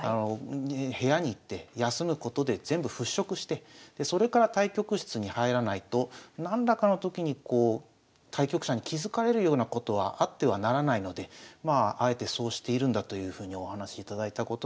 部屋に行って休むことで全部払拭してそれから対局室に入らないと何らかのときに対局者に気付かれるようなことはあってはならないのであえてそうしているんだというふうにお話しいただいたことがあります。